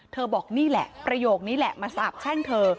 บอกนี่แหละประโยคนี้แหละมาสาบแช่งเธอ